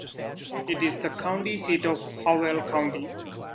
It is the county seat of Howell County.